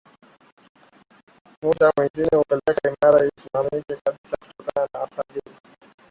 Muda mwengine hupelekea miradi isikamilike kabisa kutokana na wafadhili